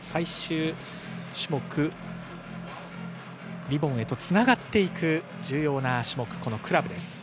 最終種目、リボンへとつながっていく重要な種目のクラブです。